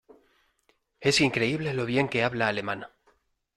Es increíble lo bien que habla alemán.